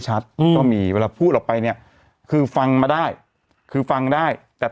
อืมก็มีเวลาพูดออกไปเนี่ยคือฟังมาได้คือฟังได้แต่